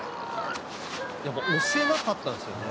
「やっぱり押せなかったんですよね」